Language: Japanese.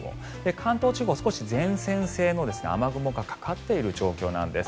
関東地方、少し前線性の雨雲がかかっている状態なんです。